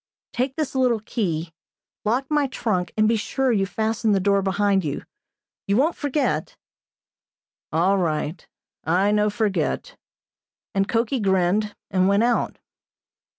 Take this little key, lock my trunk and be sure you fasten the door behind you. You won't forget?" "All right. I no forget," and Koki grinned, and went out.